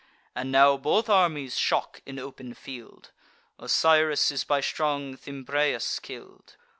And now both armies shock in open field; Osiris is by strong Thymbraeus kill'd.